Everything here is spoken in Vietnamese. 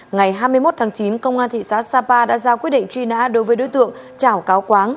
ngày hai mươi một tháng chín công an thị xã sapa đã giao quyết định truy nã đối với đối tượng chảo cáo quáng